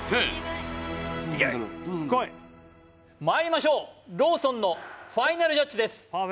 まいりましょうローソンのファイナルジャッジです